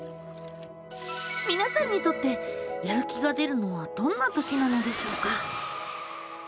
みなさんにとってやる気が出るのはどんなときなのでしょうか？